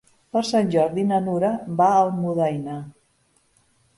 Per Sant Jordi na Nura va a Almudaina.